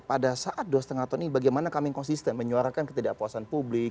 pada saat dua lima tahun ini bagaimana kami konsisten menyuarakan ketidakpuasan publik